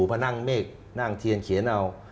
พระนั่งเมฆนั่งเทียนเขียนเอา